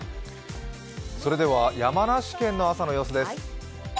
それでは山梨県の朝の様子です。